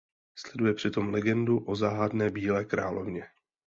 Sleduje přitom legendu o záhadné Bílé královně.